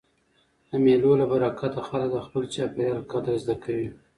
د مېلو له برکته خلک د خپل چاپېریال قدر زده کوي.